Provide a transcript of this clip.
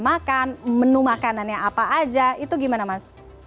makan menu makanannya apa aja itu gimana mas